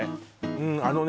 うんあのね